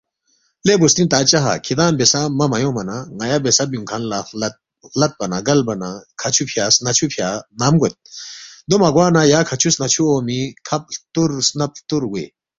لے بُوسترِنگ تا چاہا، کِھدانگ بیسا مہ بیُونگما نہ، ن٘یا بیسا بیُونگ کھن لہ خلدپا نہ، گلبا نہ، کھاچھُو فیا، سناچھُو فیا نام گوید؟ دو مہ گوا نہ یا کھاچھُو سناچھُو اونگمی، کھب ہلتُور، سنب ہلتُور گوے